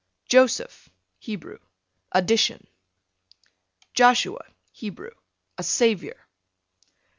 Joseph, Hebrew, addition. Joshua, Hebrew, a savior.